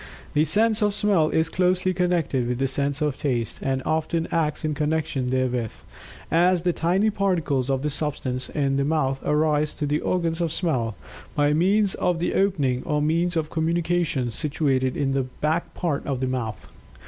The sense of Smell is closely connected with the sense of Taste, and often acts in connection therewith, as the tiny particles of the substance in the mouth arise to the organs of Smell, by means of the opening or means of communication situated in the back part of the mouth.